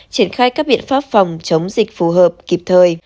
triển khai các biện pháp phòng chống dịch phù hợp kịp thời